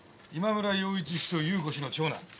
今村洋一氏と優子氏の長男。